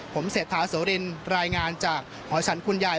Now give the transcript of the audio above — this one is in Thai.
ผมเศรษฐาโสรินรายงานจากหอฉันคุณยาย